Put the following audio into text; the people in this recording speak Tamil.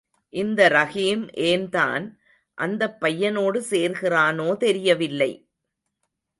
இந்த ரஹீம் ஏன்தான் அந்தப் பையனோடு சேர்கிறானோ தெரியவில்லை!